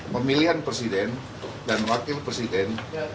pemilihan presiden dan wakil presiden